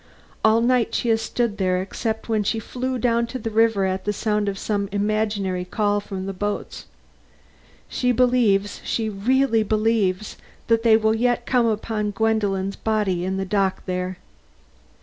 All night she has stood there, except when she flew down to the river at the sound of some imaginary call from the boats. She believes, she really believes, that they will yet come upon Gwendolen's body in the dock there."